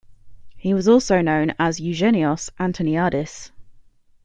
He was also known as Eugenios Antoniadis.